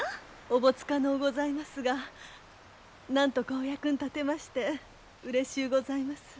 おぼつかのうございますがなんとかお役に立てましてうれしゅうございます。